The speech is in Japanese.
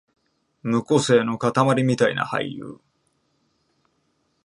無個性のかたまりみたいな俳優